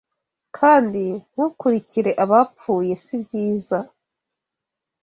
Kandi ntukurikire abapfuye si byiza